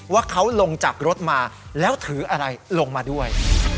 ว่าเขาลงจากรถมาแล้วถืออะไรลงมาด้วย